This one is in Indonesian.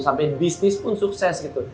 sampai bisnis pun sukses gitu